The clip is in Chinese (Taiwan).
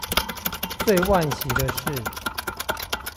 最惋惜的是